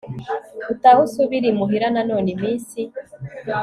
utahe usubire imuhira nanone iminsi